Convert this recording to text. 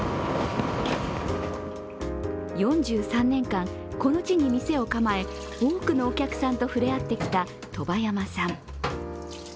４３年間、この地に店を構え多くのお客さんとふれあってきた外波山さん。